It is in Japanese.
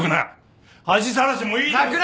恥さらしもいいとこ。